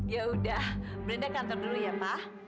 ya udah belinda kantor dulu ya pak